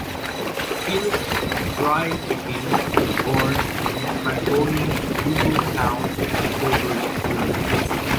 Felix Draeseke was born in the Franconian ducal town of Coburg, Germany.